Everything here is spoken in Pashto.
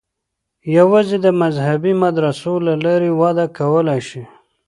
یوازې د مذهبي مدرسو له لارې وده کولای شي.